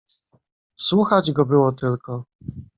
"Słuchać go było tylko."